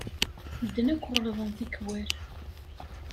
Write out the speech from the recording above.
Medden akk ɣellḍen tikkwal.